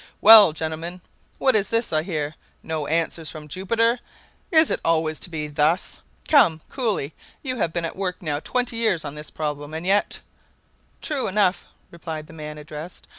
"Well, gentlemen, what is this I hear? No answer from Jupiter? Is it always to be thus? Come, Cooley, you have been at work now twenty years on this problem, and yet " "True enough," replied the man addressed.